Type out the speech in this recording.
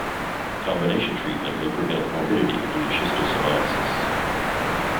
Combination treatment may prevent morbidity due to schistosomiasis.